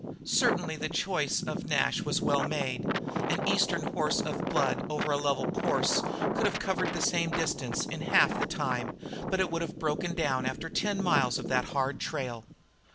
Certainly the choice of Nash was well made. An Eastern horse of blood over a level course could have covered the same distance in half the time, but it would have broken down after ten miles of that hard trail.